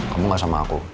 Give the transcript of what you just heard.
kamu gak sama aku